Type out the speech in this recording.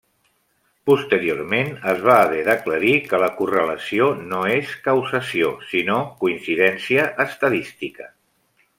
Posteriorment es va haver d'aclarir que la correlació no és causació, sinó coincidència estadística.